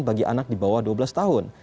bagi anak di bawah dua belas tahun